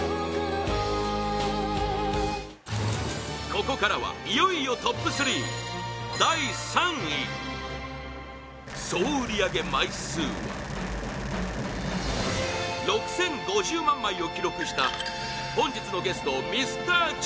ここからはいよいよトップ３第３位総売り上げ枚数は６０５０万枚を記録した本日のゲストＭｒ．Ｃｈｉｌｄｒｅｎ